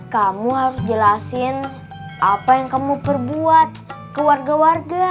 kamu harus jelasin apa yang kamu perbuat ke warga warga